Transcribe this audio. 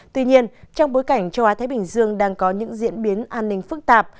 tuy nhiên trong bối cảnh châu á thái bình dương đang có những diễn biến an ninh phức tạp